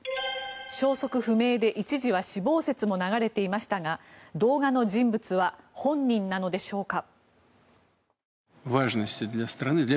消息不明で一時は死亡説も流れていましたが動画の人物は本人なのでしょうか。